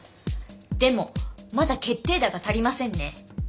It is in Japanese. でもまだ決定打が足りませんね。